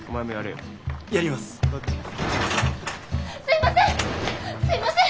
すいません！